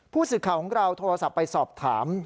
ผู้สื่อข่าวของเราโทรศัพท์ไปสอบถาม